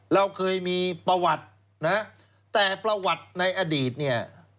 เราเคยมีประวัตินะแต่ประวัติในอดีตเนี่ย